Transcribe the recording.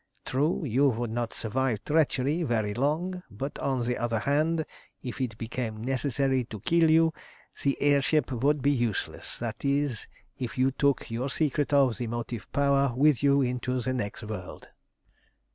True, you would not survive treachery very long; but, on the other hand, if it became necessary to kill you, the air ship would be useless, that is, if you took your secret of the motive power with you into the next world."